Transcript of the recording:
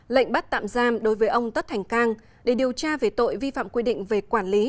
lệnh bắt tạm giam đối với ông tất thành cang để điều tra về tội vi phạm quy định về quản lý